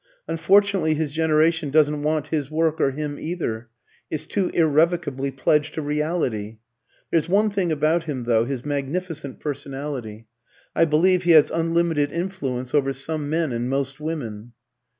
"Unfortunately his generation doesn't want his work or him either. It's too irrevocably pledged to reality. There's one thing about him though his magnificent personality. I believe he has unlimited influence over some men and most women."